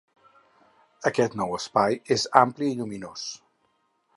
Aquest nou espai és ampli i lluminós.